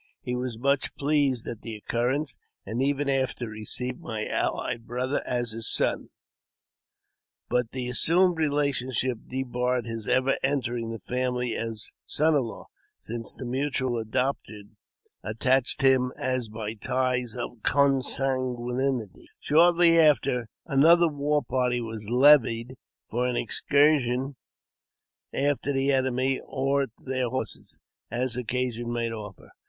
He was much pleased at the occurrence, and ever after received my allied brother as his son ; but the assumed relationship debarred his ever entering the family as son in law, since the mutual adop tion attached him as by ties of consanguinity. Shortly after, another war party was levied for an excursion after the enemy, or their horses, as occasion might offer.